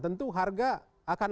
tentu harga akan